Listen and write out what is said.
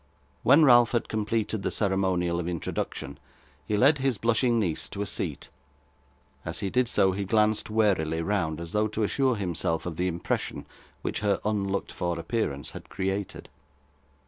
When Ralph had completed the ceremonial of introduction, he led his blushing niece to a seat. As he did so, he glanced warily round as though to assure himself of the impression which her unlooked for appearance had created.